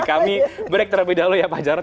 kami break terlebih dahulu ya pak jarod